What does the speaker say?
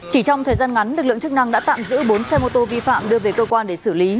chỉ trong thời gian ngắn lực lượng chức năng đã tạm giữ bốn xe mô tô vi phạm đưa về cơ quan để xử lý